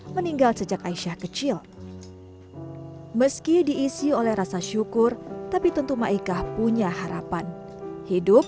meninggal sejak aisyah kecil meski diisi oleh rasa syukur tapi tentu maika punya harapan hidup